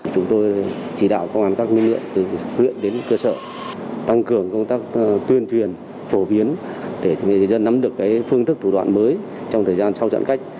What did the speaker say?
chúng tôi chỉ đạo công an các lực lượng từ huyện đến cơ sở tăng cường công tác tuyên truyền phổ biến để người dân nắm được phương thức thủ đoạn mới trong thời gian sau giãn cách